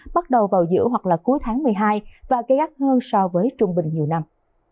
bắt đầu vào giữa hoặc là cuối tháng một mươi hai và gây gắt hơn so với trung bình nhiều năm